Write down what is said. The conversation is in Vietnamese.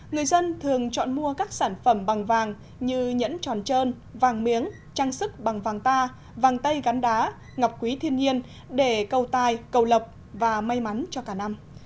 người dân thường chọn mua các sản phẩm bằng vàng như nhẫn tròn trơn vàng miếng trang sức bằng vàng ta vàng tây gắn đá ngọc quý thiên nhiên để cầu tài cầu lộc và may mắn cho cả năm